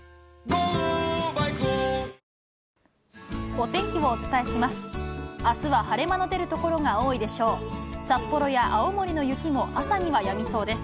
お天気をお伝えします。